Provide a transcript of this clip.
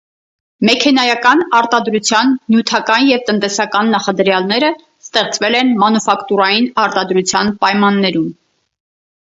Մեքենայական արտադրության նյութական և տնտեսական նախադրյալները ստեղծվել են մանուֆակտուրային արտադրության պայմաններում։